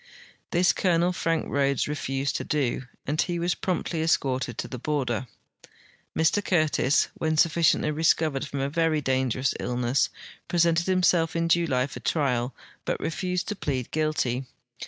This Colonel Frank Rhodes refused to do, and he Avas jn'omptly escorted to the border. Mr Curtis, when sufficiently recovered from a very dangerous illness, ])resented himself in July for trial, but refused to plead guilty.